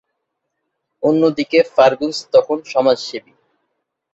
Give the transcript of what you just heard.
অন্যদিকে ফার্গুসন তখন সমাজসেবী।